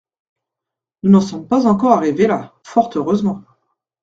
Nous n’en sommes pas encore arrivés là, fort heureusement.